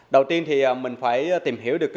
đầu tiên thì mình phải tìm hiểu được